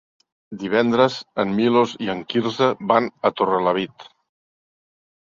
Divendres en Milos i en Quirze van a Torrelavit.